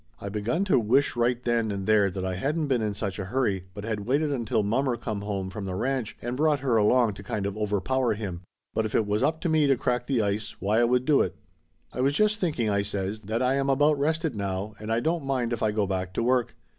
I begun to wish right then and there that I hadn't been in such a hurry, but had waited until mommer come home from the ranch, and brought her along to kind of overpower him. But if it was up to me to crack the ice, why I would do it. "I was just thinking," I says, "that I am about rested now, and I don't mind if I go back to work.